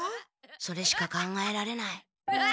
それしか考えられない。